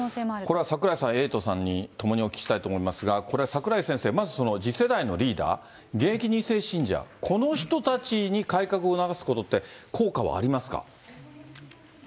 これは櫻井さん、エイトさんにともにお聞きしたいと思いますが、これ、櫻井先生、まず次世代のリーダー、現役２世信者、この人たちに改革を促すことって、効果はありますか？